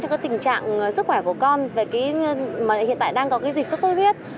cho cái tình trạng sức khỏe của con mà hiện tại đang có cái dịch sốt xuất huyết